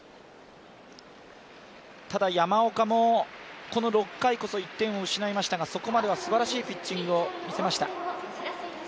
ただ山岡も、この６回こそ１点を失いましたが、そこまでは、すばらしいピッチングを見せました。